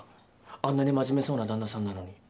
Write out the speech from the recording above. あんなに真面目そうな旦那さんなのに。